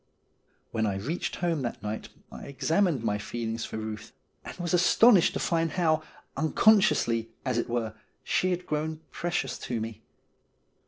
RUTH 157 When I reached home that night I examined my feelings for Euth, and was astonished to find how, unconsciously, as it were, she had grown precious to me.